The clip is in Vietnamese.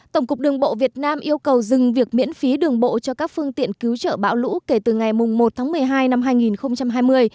tổng cục đường bộ việt nam yêu cầu dừng việc miễn phí đường bộ cho các phương tiện cứu trợ bão lũ kể từ ngày một tháng một mươi hai năm hai nghìn hai mươi